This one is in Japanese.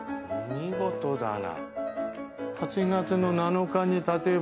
見事だな。